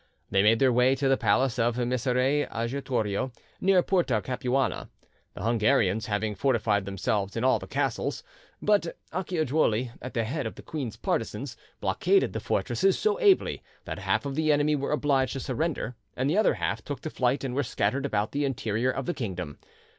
They made their way to the palace of Messire Ajutorio, near Porta Capuana, the Hungarians having fortified themselves in all the castles; but Acciajuoli, at the head of the queen's partisans, blockaded the fortresses so ably that half of the enemy were obliged to surrender, and the other half took to flight and were scattered about the interior of the kingdom.